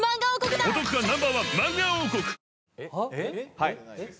はい。